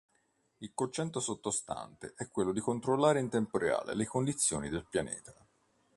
Il concetto sottostante è quello di controllare in tempo reale le condizioni del pianeta.